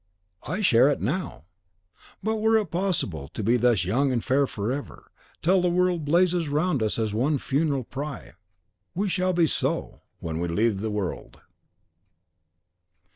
"I share it now!" "But were it possible to be thus young and fair forever, till the world blazes round us as one funeral pyre!" "We shall be so, when we leave the world!"